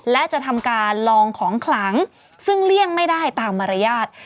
และจะทำการลองของขลังซึ่งเลี่ยงไม่ได้ตามมารยาท